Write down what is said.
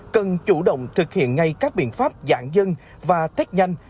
cần chủ động thực hiện ngay các biện pháp giãn dân và tết nhanh